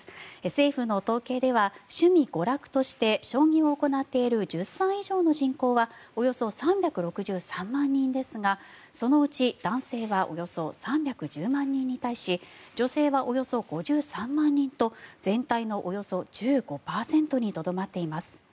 政府の統計では趣味・娯楽として将棋を行っている１０歳以上の人口はおよそ３６３万人ですがそのうち男性はおよそ３１０万人に対し女性はおよそ５３万人と全体のおよそ１５％にとどまっています。